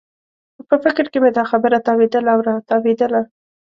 په فکر کې مې دا خبره تاوېدله او راتاوېدله.